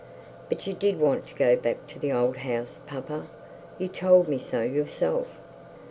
'But you did want to go back to the old house, papa. You told me so yourself.'